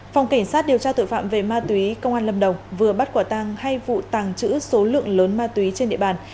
phòng cảnh sát điều tra tội phạm về ma túy công an lâm đồng vừa bắt quả tăng hai vụ tàng trữ số lượng lớn ma túy trên địa bàn